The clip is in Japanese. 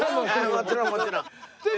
もちろんもちろん。